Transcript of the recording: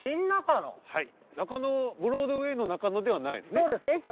中野ブロードウェイの中野ではないですね。